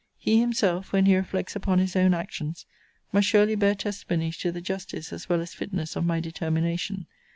He himself, when he reflects upon his own actions, must surely bear testimony to the justice as well as fitness of my determination.